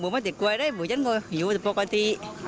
เราอยู่ปกติ